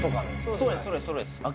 ・そうです